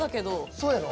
そうやろ。